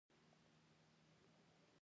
ایا ستاسو لمونځونه په وخت نه دي؟